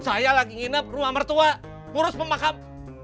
saya lagi nginep rumah mertua ngurus pemakam